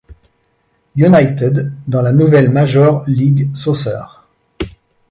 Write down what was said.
United dans la nouvelle Major League Soccer.